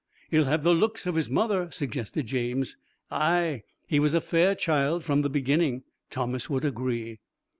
'He'll have the looks of his mother,' suggested James. 'Ay: he was a fair child from the beginning,' Thomas would agree.